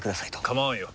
構わんよ。